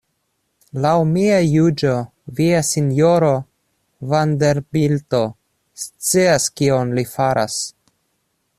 Laŭ mia juĝo via Sinjoro Vanderbilto scias kion li faras.